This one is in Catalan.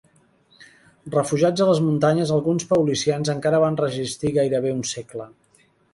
Refugiats a les muntanyes alguns paulicians encara van resistir gairebé un segle.